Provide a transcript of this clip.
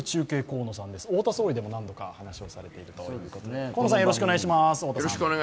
太田さんは何度かお話しされているということで。